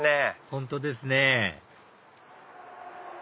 本当ですね